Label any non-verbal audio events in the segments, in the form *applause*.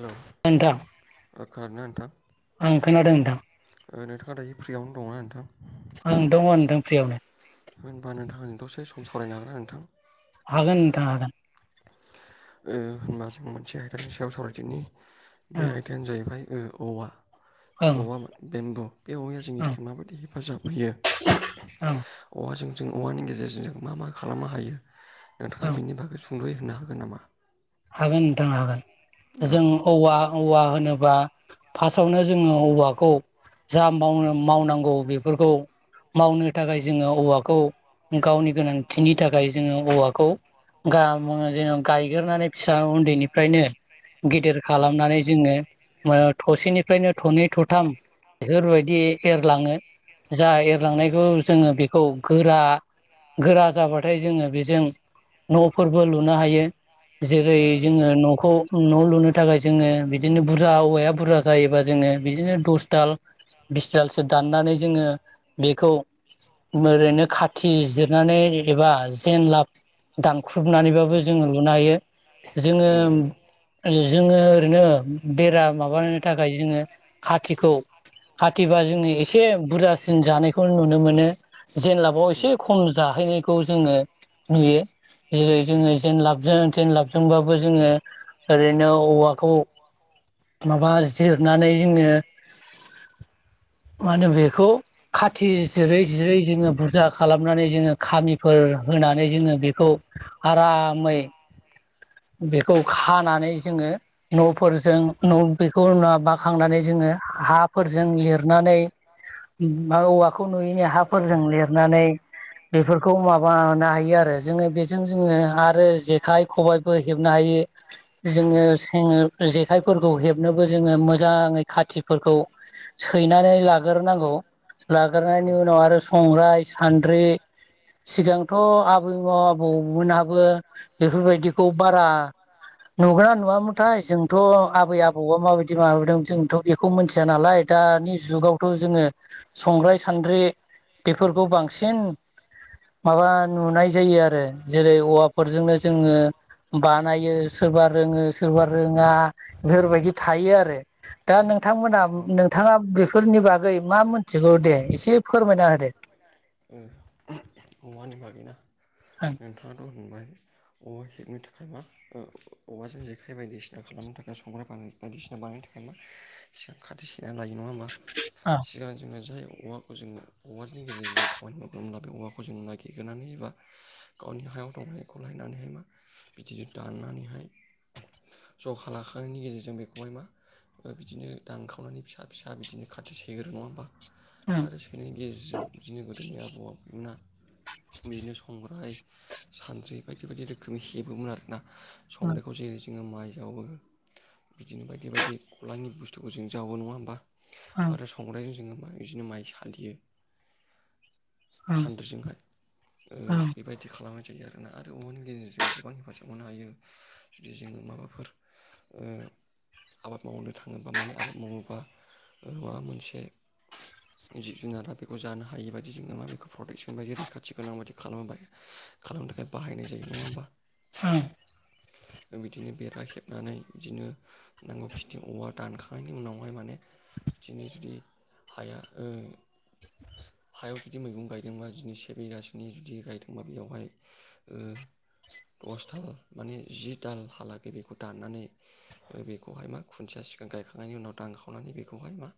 Hello नोंथां ओ खोनादोंना नोंथां? आं खोनादों नोंथां ओ नोंथाङा दायो जि फ्रियावनो दङना नोंथां आं दंङ नोंथां फ्रियावनो होनबा नोंथाङा आंजों दसे सम सावरायनो हागोना नोंथां हागोन नोंथां हागोन ओ होनबा जों मोनसे आयदानि सायाव सावरायदिनि बे आयदायानो जाहैबाय ओ औवा ओं औवा बेम्बु बे औवाया जोंनि ओं थाखाय माबायदि हेफाजाब यो ओं औवाजों जों औवानि गेजेरजों ज मा मा खालामनो हायो नोंथाङा ओं बेनि बागै सुंद'यै होनो हागोन नामा हागोन नोंथां हागोन औ जों औवा औवा होनोबा फार्स्टआवनो जोङो औवाखौ जा मावनो मावनांगौ बेफोरखौ मावनो थाखाय जोङो औवाखौ गावनि गोनांथिनि थाखाय जोङो औवाखौ जोङो गायगोरोनानै फिसा उन्दैनिफ्रायनो गिदिर खालामनानै जोङो थसेनिफ्रायनो थनै थथाम बेफोरबायदि एरलाङो जा एरलांनायखौ जोङो बेखौ गोरा गोरा जाबाथाय जोङो बेजों न'फोरबो लुनो हायो जेरै जोङो नखौ न लुनो थाखाय जोङो बिदिनो बुरजा औवाया बुरजा जायोबा जोङो बिदिनो दस दाल बिसदालसो दाननानै जोङो बेखौ ओरैनो खाथि जिरनानै एबा जेन लाब दानख्रुबनानैबाबो जोङो लुनो हायो जोङो औ औ नंगौ जोङो ओरैनो बेरा माबानो थाखाय जोङो खाथिखौ खाथिबा जोंनि एसे बुरजासिन जानायखौ नुनो मोनो जेनलाबाव एसे खम जाहैनायखौ औ जोङो औ नुयो जेरै जोङो जेन लाबजों जेनलाब जोङो ओरैनो औवाखौ माबा जिरनानै जोङो मा होनो बेखौ खाथि जिरै जिरै जोङो बुरजा खालामनानै जोङो खामिफोर होनानै जोङो बेखौ आरामै *inaudible* बेखौ खानानै जोङो न'फोरजों न' बेखौ बाखांनानै जोङो हाफोरजों लिरनानै औवाखौ नुयैनि हाफोरजों लिरनानै बेफोरखौ माबानो हायो आरो जोङो बेजों जोङो आरो जेखाइ खबाइ हेबनो हायो जोङो जेखाइफोरखौ हेबनोबो जोङो मोजाङै खाथि फोरखौ सैनानै लाग्रोनांगौ औ लाग्रनायनि उनाव आरो संग्राइ सान्द्रि सिगांथ' आबैमोन आबौमोनहाबो बेफोरबायदिखौ बारा नुगोनना नुवामोनथाय जोंथ' आबै आबौआ माबायदि माबादों जोंथ' बेखौ मिथिया नालाय दानि जुगावथ' जोङो संग्राय सान्द्रि बेफोरखौ बांसिन माबा नुनाय जायो आरो जेरै औवाफोरजोंनो औ जोङो बानायो सोरबा रोङो सोरबा रोङा बेफोरबायदि थायो आरो दा नोंथांमोना ओ नोंथाङा बेफोरनि बागै मा मिथिगौ दे एसे फोरमायना होदो *inaudible* ओं नोंथाङाथ' होनबाय औवा हेबनो थाखाय मा औवाजों जेखाइ बायदिसिना खालामनो थाखाय संग्राय बानाय बायदिसिना बानायनो थाखाय मा एसे खाथि सैनानै लायो नङा होमबा सिगां जोङो जे औवाखौ जों औवानि गेजेरजों जों खामानि मावगोनब्ला बे औवाखौ जों नागिरग्रोनानै एबा गावनि हायाव दं एखौ लायनानैहाय मा बिदिनो दाननानैहाय जखा लाखांनायनि गेजेरजों बेखौहाय मा बिदिनो दानखावनानै फिसा फिसा बिदिनो खाथि सैगोरो नङा होमबा ओं आरो सैनायनि गेजेरजों बिदिनो गोदोनि आबौ आबैमोना बिदिनो संग्राय सानद्रि बायदि बायदि रोखोमनि हेबोमोन आरोना ओं संग्रायखौ जेरै जोङो माइ जावो बिदिनो बायदि बायदि गलानि बुस्थुखौ जों जावो नङा होमबा ओं ओं आरो संग्रायजों जोङो मा बिदिनो माइ सालियो सान्द्रिजोंहाय ओं बेबायदि खालामनाय जायो आरोना आरो अमानि गेजेरजों गोबां हेफाजाब हनो हायो जुदि जोङो माबाफोर आबाद मावनो थाङोबा माने आबाद मावोबा माबा मोनसे जिब जुनारा बेखौ जानो हायि बायदि जोङो मा बेखौ प्रटेकसन बायदि रैखाथि गोनां बायदि खालामो बाय खालामनो थाखाय बाहायनाय जायो नङा होमबा बिदिनो बेरा हेबनानै बिदिनो नांगौ खिथि औवा दानखांनायनि उनावहाय माने बिदिनो जुदि हाया हायाव जुदि मैगं गायदोंबा बिनि से बिगासोनि जुदि गायदोंबा बेयावहाय दसथाल माने जि दाल हालागै बेखौ दाननानै बेखौहाय मा खुन्थिया सिगां गायखांनायनि उनाव दां खावनानै बेखौहाय मा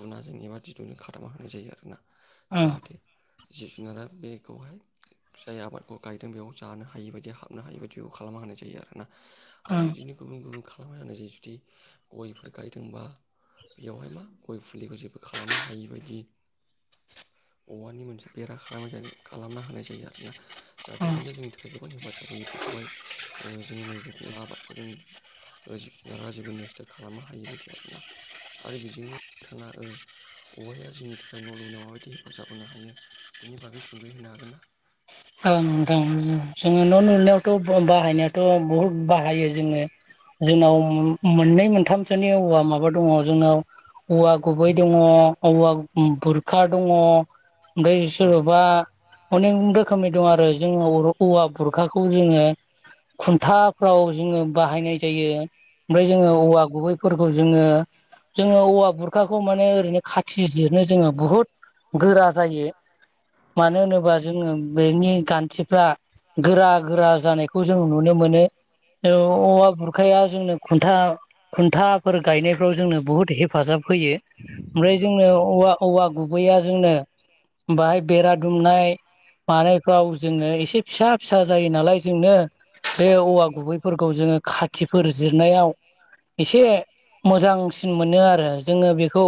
गुनाजों एबा दिरुंजों खाथाबना होनाय जायो आरोना ओं जाहाथे जिब जुनारा बेखौहाय जाय आबादखौ गायदों बेयाव जानो हायि बायदि हाबनो हायि बायदि बेखौ खालामना होनाय जायो आरोना आरो ओं बिदिनो गुबुन गुबुन खालामबायनानै जै जुदि गयफोर गायदोंबा बेयावहाय मा गय फुलिखौ जेबो खालामनो हायि बदि औवानि मोनसे बेरा खालामनाय खालामना होनाय जायो आरोना जाहाथे ओं औवाया जोंनि थाखाय गोबां हेफाजाब होयो बेखौहाय जोंनि मैगं आबादखौ जों जिब जुनारा जेबो नस्थ' खालामनो हायि बायदि आरोना आरो बेजोंनो नोंथाङा औवाया जोंनि थाखाय न' लुनायाव माबायदि हेफाजाब होनो हायो बेनि बागै सुंदै होनो हागोन ना जोङो न' औ लुनायावथ' बा बाहायनायाथ' बहुत बाहायो जोङो जोंनाव मोननै मोनथामसोनि औवा माबा दङ जोंनाव औवा गुबै दङ औवा बुरखा दङ ओमफ्राय औ सोरबा अनेक रोखोमै दं आरो जोङो औवा बुरखाखौ जोङो खुन्थाफ्राव जोङो बाहायनाय जायो ओमफ्राय जोङो औवा गुबै फोरखौ जोङो जोङो औवा बुरखाखौ माने ओरैनो खाथि जिरनो जोङो बुहुद गोरा जायो मानो होनोबा जोङो बेनि खान्थिफ्रा गोरा गोरा जानायखौ जों नुनो मोनो औ औवा बुरखाया जोंनो खुन्था खुन्थाफोर गायनायफ्राव जोंनो बुहुत हेफाजाब फैयो ओमफ्राय नंगौ जोंनो औवा औवा गुबै गुबैया जोंनो बाहाय बेरा दुमनाय मानायफ्राव जोङो एसे फिसा फिसा जायो नालाय जोंनो बे औवा गुबैफोरखौ जोङो खाथिफोर जिरनायाव एसे मोजांसिन मोनो आरो जोङो बेखौ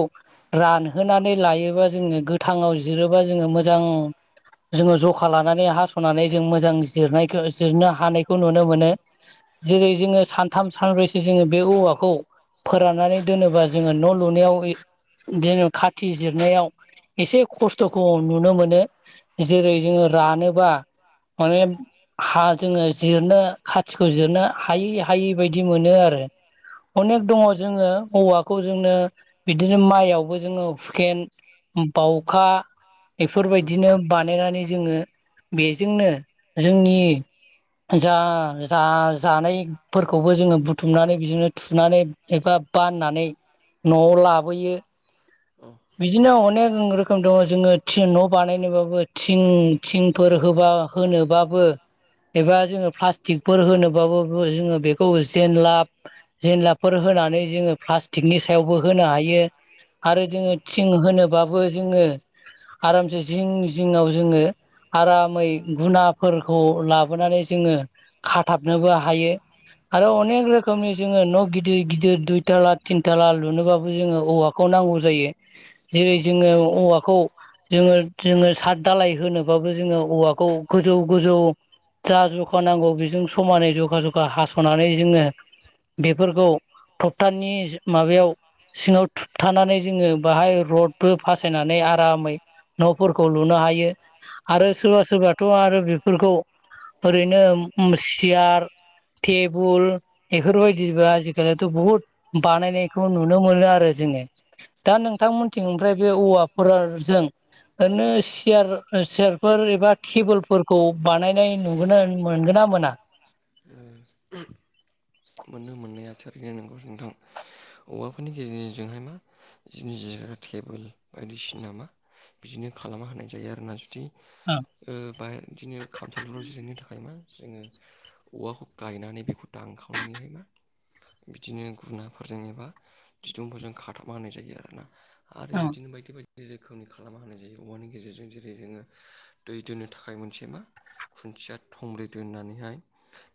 रानहोनानै लायोबा जोङो गोथाङाव बिजिरोबा जोङो मोजां जोङो जखा लानानै हास'नानै जों मोजां जिरनायखौ जिरनो हानायखौ नुनो मोनो जेरै जोङो सानथाम सानब्रैसो जोङो बे औवाखौ फोराननानै दोनोबा जोङो न' लुनायाव जोङो खाथि जिरनायाव एसे खस्थ'खौ नुनो मोनो औ जेरै जोङो रानोबा माने हा जोङो जिरनो खाथिखौ जिरनो हायै हायै बायदि मोनो *unintelligible* *inaudible* अनेख दङ जोङो औवाखौ जोंनो बिदिनो माइयावबो जोङो हुखेन बावखा औ बेफोरबायदिनो बानायनानै जोङो औ बे जोंनो जोंनि जा जा जानायफोरखौबो जोङो बुथुमनानै बिदिनो थुनानै एबा बाननानै न'आव लाबोयो औ बिदिनो अनेक रोखोम दङ जोङो थिं न' बानायनोबाबो थिं थिंफोर होबा ओ होनोबाबो। एबा जोङो प्लास्टिकफोर होनोबाबो बो जोङो बेखौ जेनलाब जेनलाब। फोर होनानै जोङो प्लास्टिकनि सायावबो होनो हायो आरो जोङो। औ थिं होनोबाबो जोङो आरामसे जिं जिंआव जोङो। आरामै गुनाफोरखौ लाबोनानै जोङो खाथाबनोबो हायो। आरो औ अनेक रोखोमनि जोङो न' गिदिर। दै गिदिर दुइथाला थिनथाला लुनोबाबो जोङो औवाखौ नांगौ जायो। जेरै जोङो औवाखौ जोङो जोङो सात दालाय होनोबाबो जोङो औवाखौ गोजौ गोजौ जा जखा नांगौ बेजों समानै जखा जखा हास'नानै जोङो बेफोरखौ थखथानि माबायाव सिङाव थुबथानानै जोङो बाहाय रडबो फासायनानै आरामै न'फोरखौ लुनो हायो। आरो सोरबा सोरबाथ' आरो बेफोरखौ ओरैनो ओम सियार टेबुल बेफोरबायदिबो आजिखालिथ' बुहुत बानायनायखौ नुनो मोनो आरो। जोङो दा नोंथांमोनथिं ओमफ्राय बे औवाफोरजों ओरैनो सियार सियारफोर एबा टेबोलफोरखौ बानायनाय नुगोना मोनगो ना मोना। *unintelligible* बिदिनो नंगौ नोंथां औवाफोरनि गेजेरजोंहाय मा जोंनि जिरायग्रा टेबोल बायदि बिसिनामा बिदिनो खालामना होनाय जायो आरोना जुदि ओं ओ बाय बिदिनो खामसालिफोराव जिरायनो थाखायोना। जोङो औवाखौ गायनानै बेखौ दानखावनानैहाय मा बिदिनो गुनाफोरजों एबा दिदुंफोरजों खाथाबना होनाय जायो आरोना। आरो ओं बिदिनो बायदि बाय दि रोखोमनि खालामना होनाय जायो औवानि गेजेरजों जेरै जोङो दै दोननो थाखाय मोनसे मा खुन्थिया थंब्रै दोननानैहाय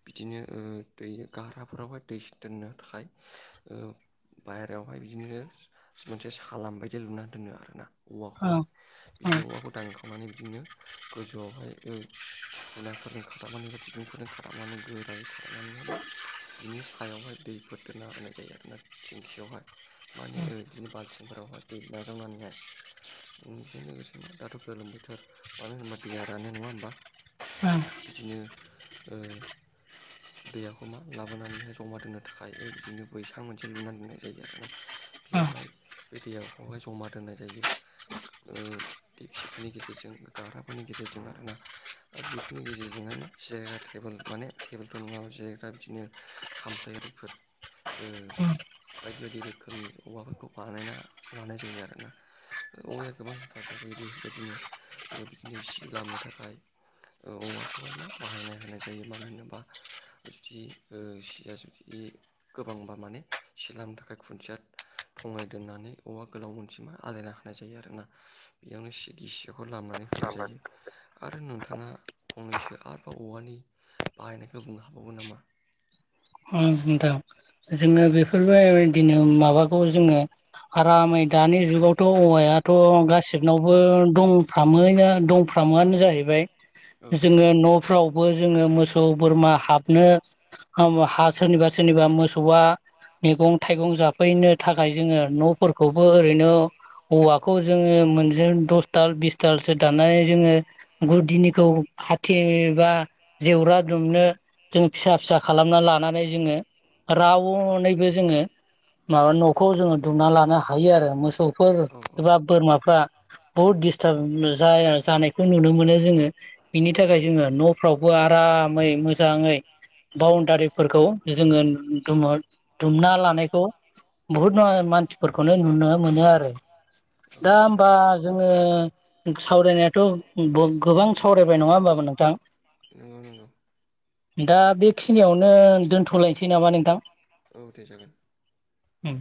बिदिनो ओ दै गाराफोरावहाय दै दोननो थाखाय ओ बायहेरायावहाय बिदिनो मोनसे सालाम बायदि लुनानै दोनो आरो ना। ओं औवाखौहाय ओं बिदिनो औवाखौ दांखावनानै बिदिनो गोजौआवहाय ओ गुनाफोरजों खाथाबनानै एबा दिदुंफोरजों खथाबनानै गोरायै खाथाबनानै हाय मा बिनि सायावहाय दैफोर दोनना होनाय जायो आरोना थेंखियावहाय। माने ओ इदिनो बालथिंफोरावहाय दै नाजावनानैहाय। नोंसोरनो गोसोमा दाथ' गोलोम बोथोर मानो होनोबा दैया रानो नङा होमबा? ओं बिदिनो ओ दैयाव अमा लाबोनानैहाय जमा दोननो थाखाय बिदिनो बैसां मोनसे लुनानै दोननाय जायो आरोना ओं बेयावहाय। बे दैयाव खौहाय जमा दोननाय जायो ओ दिफसिफोरनि गेजेरजों गारहाफोरनि गेजेरजों आरो ना बेफोरनि गेजेरजोंहाय मा जिरायग्रा टेबोल माने टेबोलथ' नङा जि ग्रा बिदिनो खामफ्लायारिफोर ओ बायदि बायदि रोखोमनि औवाफोरखौ बानायना लानाय जायो आरोना औवाया गोबां हेफाजाब आरो बेफोरबायदिनो बिदिनो सि लामनो थाखाय औवाखौहाय मा बाहायना होनाय जायो मानो होनोबा जुदि ओ सिया जुदि बे गोबांबा माने सि लामनो थाखाय खुन्थिया खङाय दोननानै औवा गोलाव मोनसे मा आलायना होनाय जायो आरो ना बेयावनो सि गिसिखौ लामनानै होना य जायो आरो नोंथाङा फंनैसो आरोबाव औवानि बाहायनायखौ बुंनो हा बावगोन नामा? अ नोंथां जोङो बेफोरबायदिनो माबाखौ जोङो आरामै दानि जुगावथ' औवायाथ' गासैबनायावबो दंफ्रामैनो दंफ्रामआनो जाहैबाय। औ जोङो न'फ्रावबो जोङो मोसौ बोरमा हाबनो हा सोरनिबा सोरनिबा मोसौआ मैगं थाइगं जाफैनो थाखाय जोङो न'फोरखौबो ओरैनो औवाखौ जोङो मोनज दसथाल बिस टालसो दाननानै जोङो गुदिनिखौ खाथे बा जेवरा दुमनो जों फिसा फिसा खालामना लानानै जोङो रावनैबो जोङो माबा न'खौ जोङो दुमना लानो हायो आरो मोसौफोर औ एबा बोरमाफ्रा बुहुद दिडिस्टार्ब जाया जानायखौ नुनो मोनो जोङो बिनि औ थाखाय जोङो न'फ्रावबो आरामै मोजाङै बउनदारि फोरखौ जोङो दुमो दुमना लानायखौ बुहुत *unintelligible* मानसिफोरखौनो नुनो मोनो आरो। दा होमबा जोङो सावरायनायाथ' गोबां सावरायबाय नङा होमबा? नोंथां नंगौ नंगौ दा बेखिनियावनो दोनथ'लायनोसै नामा नोंथां? औ दे जागोन ओम